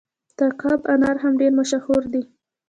د تګاب انار هم ډیر مشهور دي.